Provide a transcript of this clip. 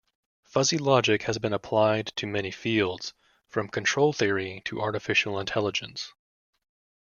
Fuzzy logic has been applied to many fields, from control theory to artificial intelligence.